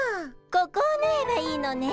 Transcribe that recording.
ここをぬえばいいのね？